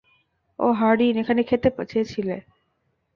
ওহ, Hardin এখানে খেতে চেয়েছিল।